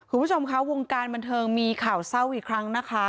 คุณผู้ชมคะวงการบันเทิงมีข่าวเศร้าอีกครั้งนะคะ